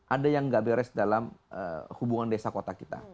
ada yang gak beres dalam hubungan desa kota kita